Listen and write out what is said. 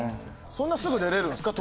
そんなすぐ出れるんですか？